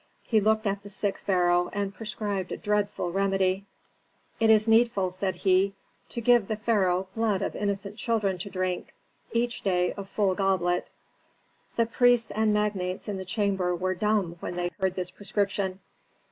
He looked at the sick pharaoh and prescribed a dreadful remedy. "It is needful," said he, "to give the pharaoh blood of innocent children to drink; each day a full goblet." The priests and magnates in the chamber were dumb when they heard this prescription.